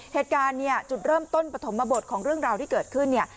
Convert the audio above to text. เหตุการณ์เนี่ยจุดเริ่มต้นปฐมบทของเรื่องราวที่เกิดขึ้นเนี่ย